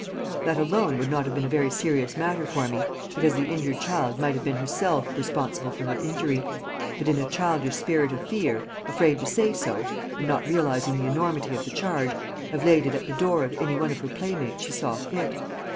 That alone would not have been a very serious matter for me, because the injured child might have been herself responsible for her injury, but in a childish spirit of fear, afraid to say so, and, not realizing the enormity of the charge, have laid it at the door of any one of her playmates she saw fit.